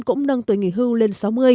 cũng nâng tuổi nghỉ hưu lên sáu mươi